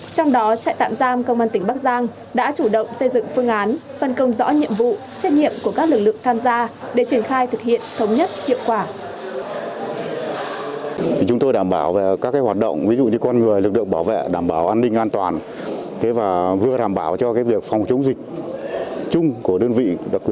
trong đó trại tạm giam công an tỉnh bắc giang đã chủ động xây dựng phương án phân công rõ nhiệm vụ